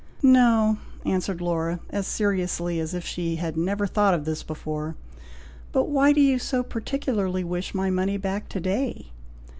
'" "No!" answered Laura, as seriously as if she had never thought of this before, "but why do you so particularly wish my money back to day?"